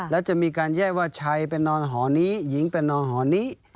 และจะมีการแยกว่าชัยไปนอนหอนี้หญิงไปนอนหอนี้